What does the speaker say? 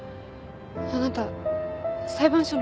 あなた裁判所の。